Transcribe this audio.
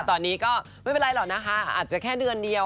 ตอนนี้ก็ไม่เป็นไรหรอกนะคะอาจจะแค่เดือนเดียว